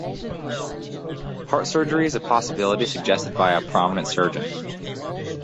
Heart surgery is a possibility suggested by a prominent surgeon.